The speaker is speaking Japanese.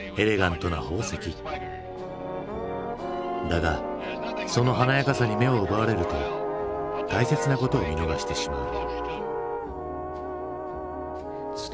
だがその華やかさに目を奪われると大切なことを見逃してしまう。